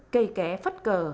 cây kẻ phất cờ